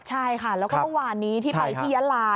ใช่ค่ะแล้วก็เมื่อวานนี้ที่ไปที่ยาลา